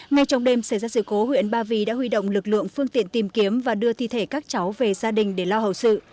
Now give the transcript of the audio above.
ngay trong đêm xảy ra sự cố huyện ba vì đã huy động lực lượng phương tiện tìm kiếm và đưa thi thể các cháu về gia đình để lo hậu sự